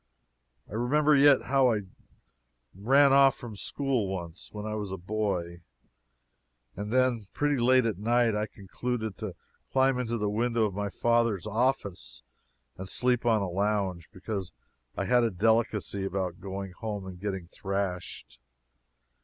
I remember yet how I ran off from school once, when I was a boy, and then, pretty late at night, concluded to climb into the window of my father's office and sleep on a lounge, because I had a delicacy about going home and getting thrashed.